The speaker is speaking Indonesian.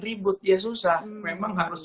ribut ya susah memang harus